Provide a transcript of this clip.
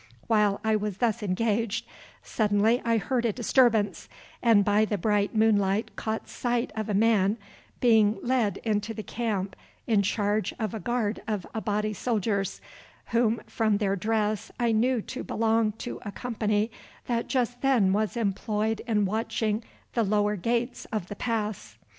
While I was thus engaged, suddenly I heard a disturbance, and by the bright moonlight caught sight of a man being led into the camp in charge of a guard of Abati soldiers, whom from their dress I knew to belong to a company that just then was employed in watching the lower gates of the pass.